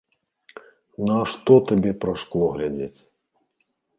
Нашто табе праз шкло глядзець.